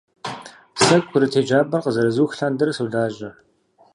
Сэ курыт еджапӀэр къызэрызух лъандэрэ солажьэ.